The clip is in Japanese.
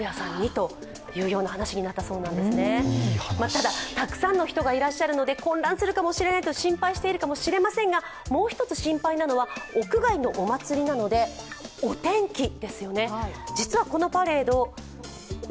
ただ、たくさんの人がいらっしゃるので混乱するかもしれないと心配しているかもしれませんが、もう１つ心配なのは、屋外のお祭りなのでお天気ですよね。